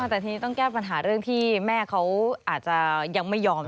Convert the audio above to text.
แต่ทีนี้ต้องแก้ปัญหาเรื่องที่แม่เขาอาจจะยังไม่ยอม